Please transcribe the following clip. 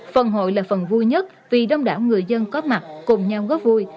phần hội là phần vui nhất vì đông đảo người dân có mặt cùng nhau góp vui